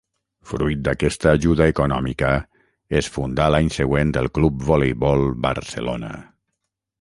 Fruit d'aquesta ajuda econòmica, es fundà l'any següent el Club Voleibol Barcelona.